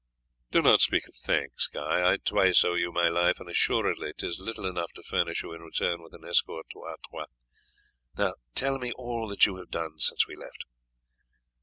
"Do not speak of thanks, Guy; I twice owe you my life, and assuredly 'tis little enough to furnish you in return with an escort to Artois. Now, tell me all that you have been doing since we left."